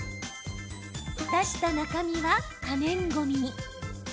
出した中身は、可燃ごみに。